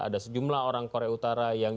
ada sejumlah orang korea utara yang